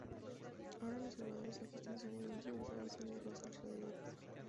Ahora, los jugadores ajustan sus movimientos basados en los alrededores.".